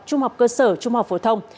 trung học cơ sở trung học phổ thông